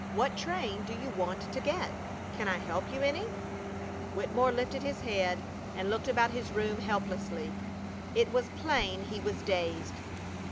What train do you want to get? Can I help you any?" Wittemore lifted his head and looked about his room helplessly. It was plain he was dazed.